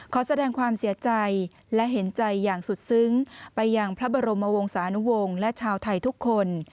ขอแสดงความเสียใจและเห็นใจอย่างสุดซึ้งไปยังพระบรมวงศานุวงศ์และชาวไทยทุกคน